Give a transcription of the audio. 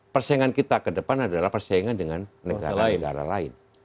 persaingan kita ke depan adalah persaingan dengan negara negara lain